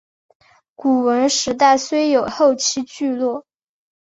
古坟时代虽有后期聚落。